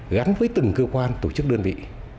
gắn với từng cơ quan tổ chức đơn vị